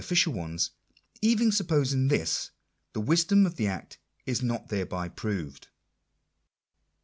ficial ones : even supposing this, the wisdom pf the act is not thereby proved.